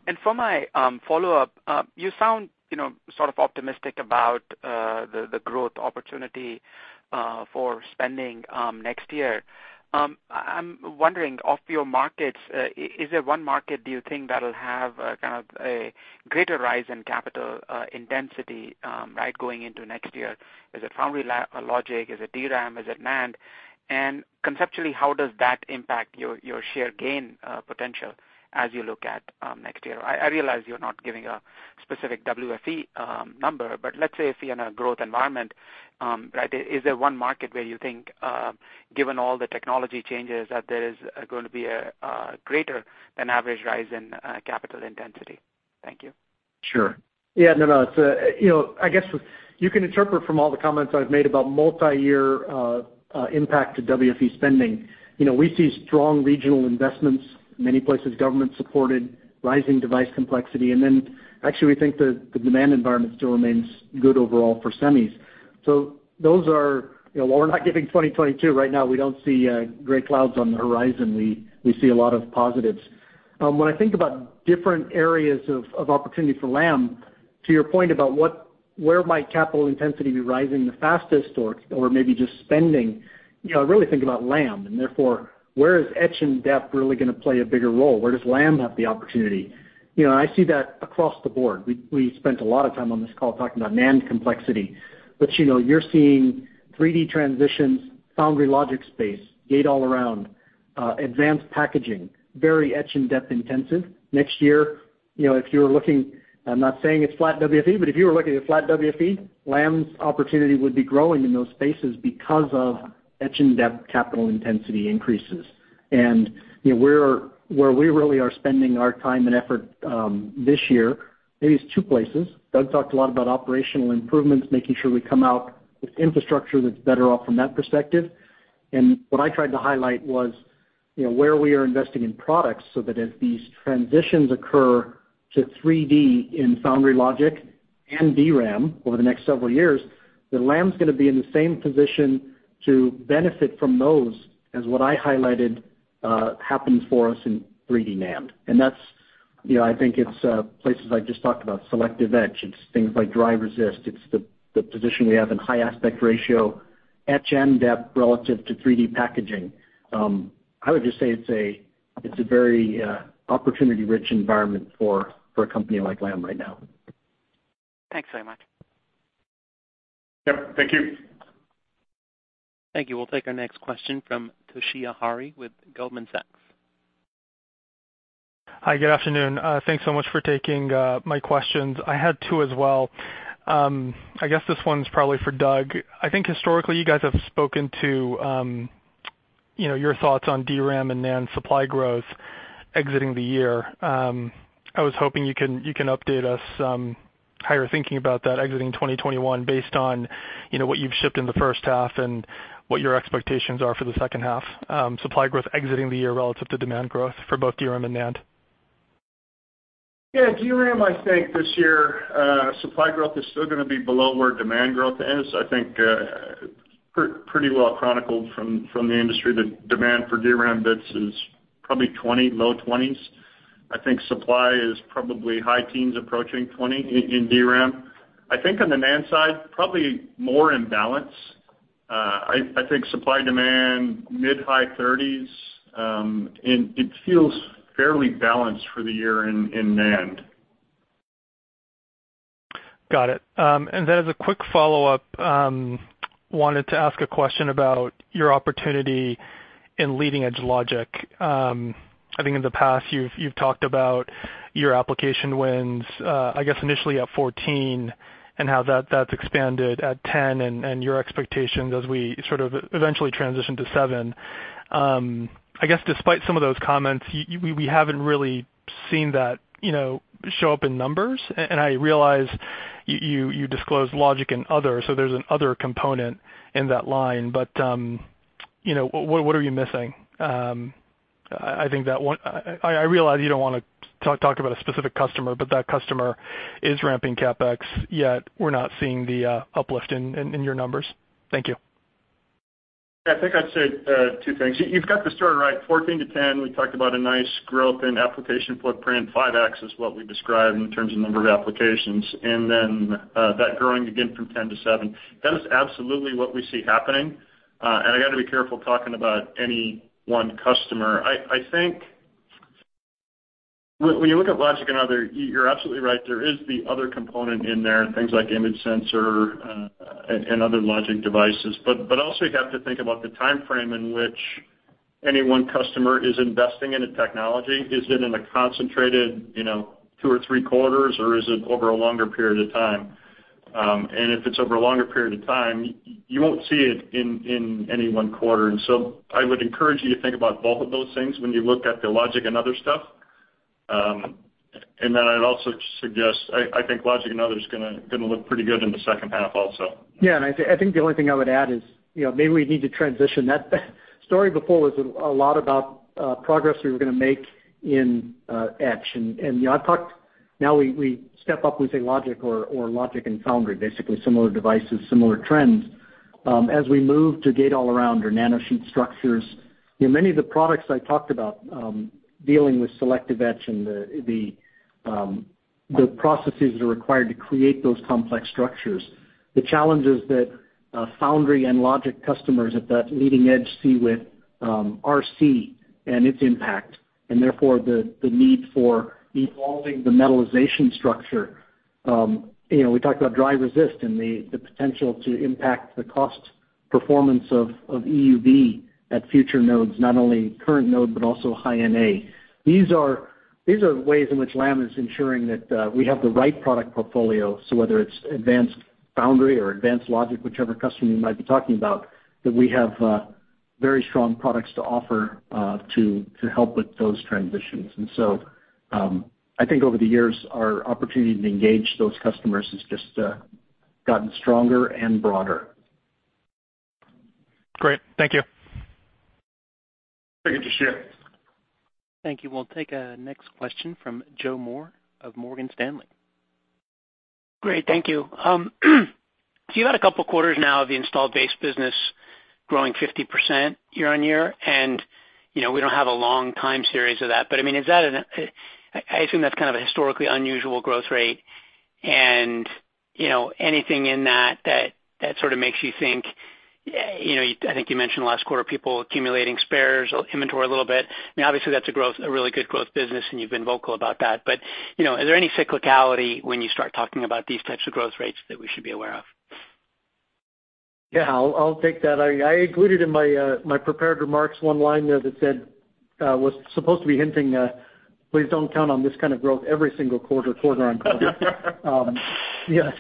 And for my follow-up, you sound sort of optimistic about the growth opportunity for spending next year. I'm wondering, of your markets, is there one market do you think that'll have a kind of a greater rise in capital intensity going into next year? Is it foundry logic? Is it DRAM? Is it NAND? Conceptually, how does that impact your share gain potential as you look at next year? I realize you're not giving a specific WFE number, but let's say if we are in a growth environment, is there one market where you think, given all the technology changes, that there is going to be a greater than average rise in capital intensity? Thank you. Sure. Yeah, no. I guess you can interpret from all the comments I've made about multi-year impact to WFE spending. We see strong regional investments, many places government-supported, rising device complexity, actually we think the demand environment still remains good overall for semis. So those are, you know, while we're not giving 2022 right now, we don't see gray clouds on the horizon. We see a lot of positives. When I think about different areas of opportunity for Lam, to your point about where might capital intensity be rising the fastest or maybe just spending, I really think about Lam, and therefore, where is etch and deposition really going to play a bigger role? Where does Lam have the opportunity? You know, I see that across the board. We spent a lot of time on this call talking about NAND complexity, but you're seeing 3D transitions, foundry logic space, Gate-All-Around, advanced packaging, very etch and dep intensive. Next year, if you were looking, I'm not saying it's flat WFE, but if you were looking at flat WFE, Lam's opportunity would be growing in those spaces because of etch and dep capital intensity increases. Where we really are spending our time and effort this year, maybe it's two places. Doug talked a lot about operational improvements, making sure we come out with infrastructure that's better off from that perspective. What I tried to highlight was where we are investing in products, so that as these transitions occur to 3D in foundry logic and DRAM over the next several years, that Lam's going to be in the same position to benefit from those as what I highlighted happens for us in 3D NAND. I think it's places I just talked about, selective etch. It's things like Dry Resist. It's the position we have in high aspect ratio etch and dep relative to 3D packaging. I would just say it's a very opportunity-rich environment for a company like Lam right now. Thanks very much. Yep, thank you. Thank you. We'll take our next question from Toshiya Hari with Goldman Sachs. Hi, good afternoon. Thanks so much for taking my questions. I had two as well. I guess this one's probably for Doug. I think historically you guys have spoken to your thoughts on DRAM and NAND supply growth exiting the year. I was hoping you can update us how you're thinking about that exiting 2021 based on what you've shipped in the first half and what your expectations are for the second half. Supply growth exiting the year relative to demand growth for both DRAM and NAND. Yeah. DRAM, I think this year, supply growth is still going to be below where demand growth is. I think pretty well chronicled from the industry that demand for DRAM bits is probably 20%, low 20s. I think supply is probably high teens approaching 20% in DRAM. I think on the NAND side, probably more in balance. I think supply-demand, mid-high 30s. And it feels fairly balanced for the year in NAND. Got it. And as a quick follow-up, wanted to ask a question about your opportunity in leading-edge logic. I think in the past, you've talked about your application wins, I guess initially at 14 and how that's expanded at 10 and your expectations as we sort of eventually transition to seven. I guess despite some of those comments, we haven't really seen that show up in numbers, and I realize you disclose logic and others, so there's an other component in that line. But what are we missing? I realize you don't want to talk about a specific customer, but that customer is ramping CapEx, yet we're not seeing the uplift in your numbers. Thank you. I think I'd say two things. You've got the story right. 14 to 10, we talked about a nice growth in application footprint. 5X is what we described in terms of number of applications. That growing again from 10 to seven. That is absolutely what we see happening. I got to be careful talking about any one customer. I think when you look at logic and other, you're absolutely right. There is the other component in there, things like image sensor and other logic devices. Also you have to think about the timeframe in which any one customer is investing in a technology. Is it in a concentrated two or three quarters, or is it over a longer period of time? If it's over a longer period of time, you won't see it in any one quarter. And so, I would encourage you to think about both of those things when you look at the logic and other stuff. And I'd also suggest, I think logic and other's going to look pretty good in the second half also. Yeah, I think the only thing I would add is maybe we need to transition that story before was a lot about progress we were going to make in etch. And I've talked, now we step up, we say logic or logic and foundry, basically similar devices, similar trends. As we move to Gate-All-Around or nanosheet structures, many of the products I talked about dealing with selective etch and the processes that are required to create those complex structures, the challenges that foundry and logic customers at that leading edge see with RC and its impact, and therefore the need for evolving the metallization structure. We talked about Dry Resist and the potential to impact the cost performance of EUV at future nodes, not only current node, but also High-NA. These are ways in which Lam is ensuring that we have the right product portfolio, so whether it's advanced foundry or advanced logic, whichever customer you might be talking about, that we have very strong products to offer to help with those transitions. And so, I think over the years, our opportunity to engage those customers has just gotten stronger and broader. Great. Thank you. Thank you, Toshiya. Thank you. We'll take a next question from Joe Moore of Morgan Stanley. Great. Thank you. You've had a couple of quarters now of the installed base business growing 50% year-over-year, and we don't have a long time series of that. I assume that's kind of a historically unusual growth rate, and you know anything in that sort of makes you think, I think you mentioned last quarter, people accumulating spares inventory a little bit. Obviously, that's a really good growth business, and you've been vocal about that. Is there any cyclicality when you start talking about these types of growth rates that we should be aware of? Yeah, I'll take that. I included in my prepared remarks one line there that said, was supposed to be hinting, please don't count on this kind of growth every single quarter on quarter. Yes.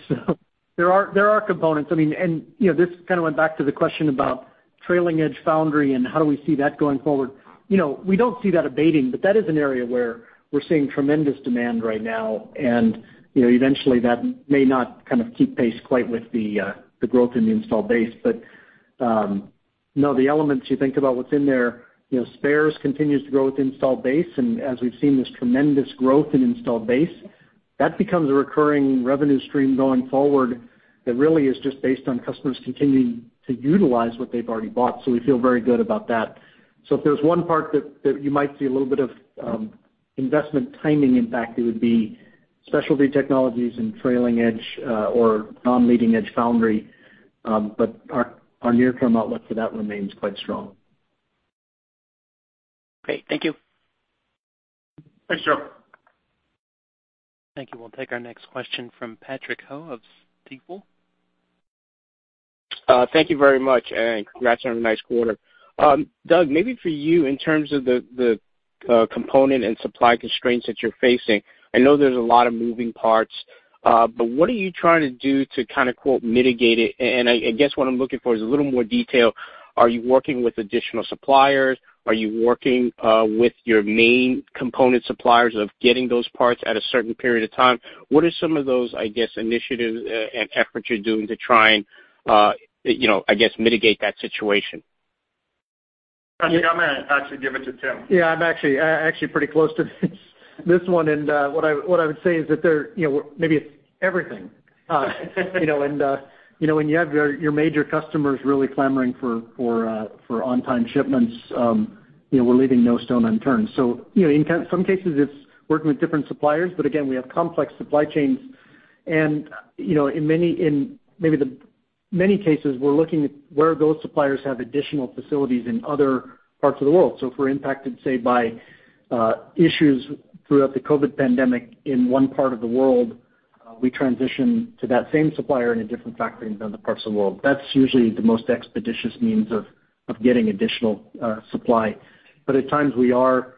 There are components. This kind of went back to the question about trailing edge foundry and how do we see that going forward. We don't see that abating, but that is an area where we're seeing tremendous demand right now, and eventually that may not keep pace quite with the growth in the installed base. No, the elements you think about what's in there, spares continues to grow with installed base, and as we've seen this tremendous growth in installed base. That becomes a recurring revenue stream going forward that really is just based on customers continuing to utilize what they've already bought. We feel very good about that. If there's one part that you might see a little bit of investment timing impact, it would be specialty technologies and trailing-edge or non-leading edge foundry. Our near-term outlook for that remains quite strong. Great. Thank you. Thanks, Joe. Thank you. We'll take our next question from Patrick Ho of Stifel. Thank you very much. Congrats on a nice quarter. Doug, maybe for you, in terms of the component and supply constraints that you're facing, I know there's a lot of moving parts. What are you trying to do to kind, quote, of mitigate it? I guess what I'm looking for is a little more detail. Are you working with additional suppliers? Are you working with your main component suppliers of getting those parts at a certain period of time? What are some of those, I guess, initiatives and efforts you're doing to try and, I guess, mitigate that situation? Patrick, I'm going to actually give it to Tim. Yeah, I'm actually pretty close to this one, and what I would say is that maybe it's everything. You know, when you have your major customers really clamoring for on-time shipments, we're leaving no stone unturned. In some cases, it's working with different suppliers, but again, we have complex supply chains. And, you know, in many, maybe the many cases, we're looking at where those suppliers have additional facilities in other parts of the world. If we're impacted, say, by issues throughout the COVID-19 pandemic in one part of the world, we transition to that same supplier in a different factory in other parts of the world. That's usually the most expeditious means of getting additional supply. But at times we are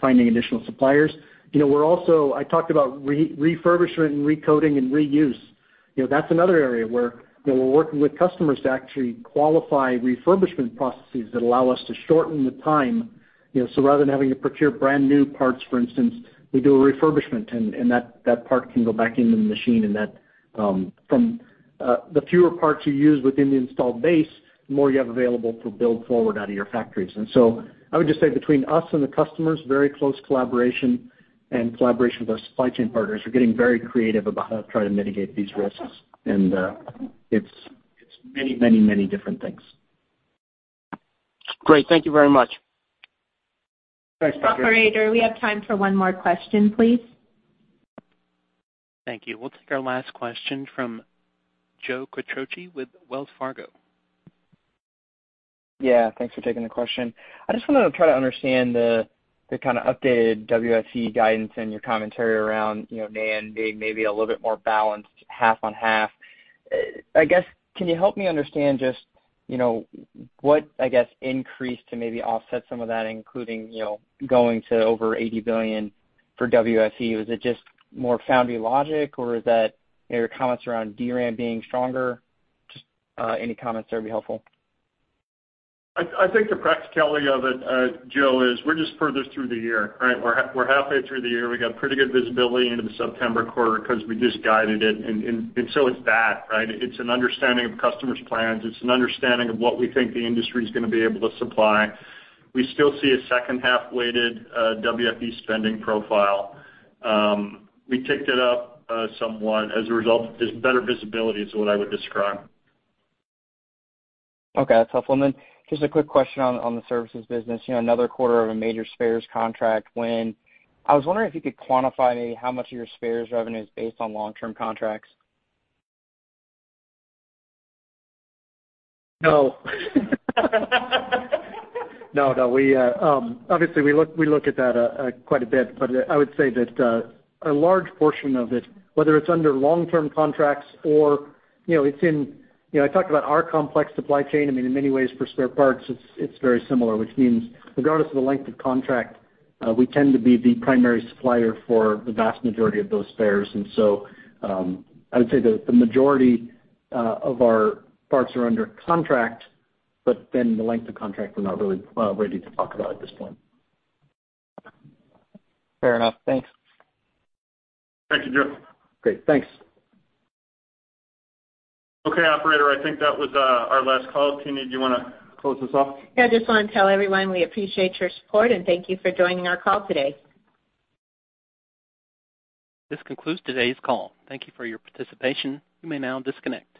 finding additional suppliers. You know, we're also, I talked about refurbishment and recoding and reuse. That's another area where we're working with customers to actually qualify refurbishment processes that allow us to shorten the time. Rather than having to procure brand-new parts, for instance, we do a refurbishment, and that part can go back into the machine and the fewer parts you use within the installed base, the more you have available to build forward out of your factories. I would just say between us and the customers, very close collaboration, and collaboration with our supply chain partners. We're getting very creative about how to try to mitigate these risks. It's many, many, many different things. Great. Thank you very much. Thanks, Patrick. Operator, we have time for one more question, please. Thank you. We'll take our last question from Joe Quatrochi with Wells Fargo. Thanks for taking the question. I just wanted to try to understand the kind of updated WFE guidance and your commentary around NAND being maybe a little bit more balanced, half on half. I guess, can you help me understand just what, I guess, increased to maybe offset some of that, including going to over $80 billion for WFE? Was it just more foundry logic, or is that your comments around DRAM being stronger? Just any comments there would be helpful. I think the practicality of it, Joe, is we're just furthest through the year, right? We're halfway through the year. We got pretty good visibility into the September quarter because we just guided it. It's that, right? It's an understanding of customers' plans. It's an understanding of what we think the industry's going to be able to supply. We still see a second half-weighted WFE spending profile. We ticked it up somewhat as a result. There's better visibility, is what I would describe. Okay. That is helpful. Just a quick question on the services business. Another quarter of a major spares contract win. I was wondering if you could quantify how much of your spares revenue is based on long-term contracts. No. No, no. We look at that quite a bit, but I would say that a large portion of it, whether it's under long-term contracts or, you know, it's in- I talked about our complex supply chain. I mean, in many ways, for spare parts, it's very similar, which means regardless of the length of contract, we tend to be the primary supplier for the vast majority of those spares. I would say that the majority of our parts are under contract, but then the length of contract we're not really ready to talk about at this point. Fair enough. Thanks. Thank you, Joe. Great. Thanks. Okay, Operator, I think that was our last call. Tina, do you want to close us off? Yeah, I just want to tell everyone we appreciate your support, and thank you for joining our call today. This concludes today's call. Thank you for your participation. You may now disconnect.